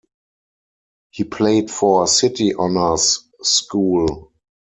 He played for City Honors School.